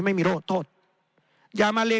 ในทางปฏิบัติมันไม่ได้